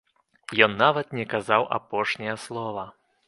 Ён нават не казаў апошняе слова.